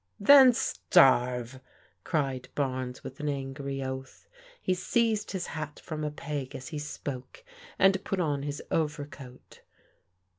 " Then starve !" cried Barnes with an ang^ oath. He seized his hat from a peg as he spoke, and put on his overcoat.